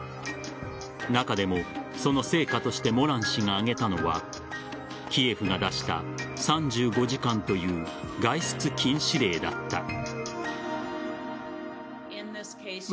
中でも、その成果としてモラン氏が挙げたのはキエフが出した３５時間という外出禁止令だった。